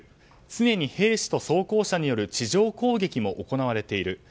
常に兵士と装甲車による地上攻撃も行われている。